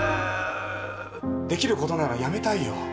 できることならやめたいよ。